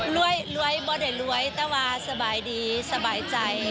รวยรวยบ่ได้รวยแต่ว่าสบายดีสบายใจ